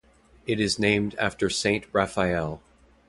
It is named after Saint Raphael.